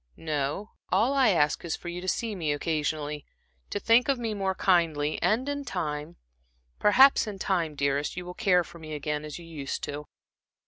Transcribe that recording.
No, all I ask is for you to see me occasionally, to think of me more kindly, and in time perhaps in time, dearest, you will care for me again as you used to."